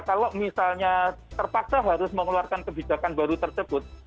kalau misalnya terpaksa harus mengeluarkan kebijakan baru tersebut